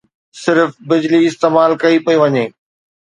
صرف بجلي استعمال ڪئي پئي وڃي